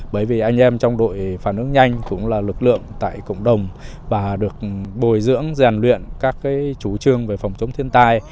bởi vì anh em trong đội phản ứng nhanh cũng là lực lượng tại cộng đồng và được bồi dưỡng rèn luyện các chủ trương về phòng chống thiên tai